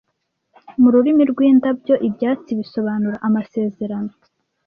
Mu rurimi rwindabyo ibyatsi bisobanura Amasezerano